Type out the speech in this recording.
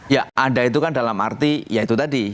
ya ada itu kan dalam arti ya itu tadi